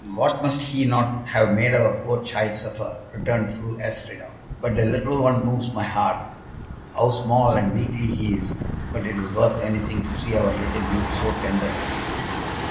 "What must he not have made our poor child suffer!" returned Fru Astrida, "but the little one moves my heart. How small and weakly he is, but it is worth anything to see our little Duke so tender to him."